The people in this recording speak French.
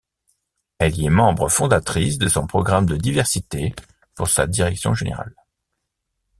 Elle y est membre fondatrice de son programme de diversité pour sa direction générale.